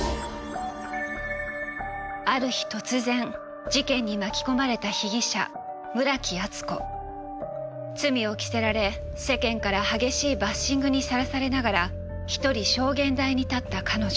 ある日突然事件に巻き込まれた罪を着せられ世間から激しいバッシングにさらされながら１人証言台に立った彼女。